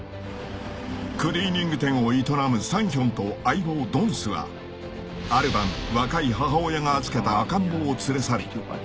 ［クリーニング店を営むサンヒョンと相棒ドンスはある晩若い母親が預けた赤ん坊を連れ去り］